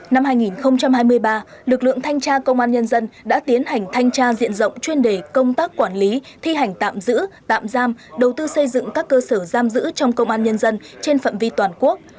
năm hai nghìn hai mươi ba lực lượng thanh tra công an nhân dân đã tiến hành thanh tra diện rộng chuyên đề công tác quản lý thi hành tạm giữ tạm giam đầu tư xây dựng các cơ sở giam giữ trong công an nhân dân trên phạm vi toàn quốc